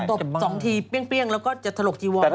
ตบ๒ทีเปรี้ยงแล้วก็จะถลกจีวอน